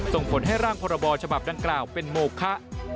ส่งผลให้ร่างพรบฉบับดังกล่าวเป็นโมคะ